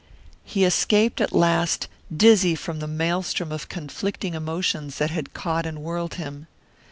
He escaped at last, dizzy from the maelstrom of conflicting emotions that had caught and whirled him.